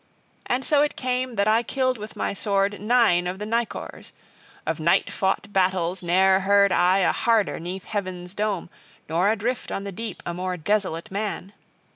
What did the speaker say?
And so it came that I killed with my sword nine of the nicors. Of night fought battles ne'er heard I a harder 'neath heaven's dome, nor adrift on the deep a more desolate man!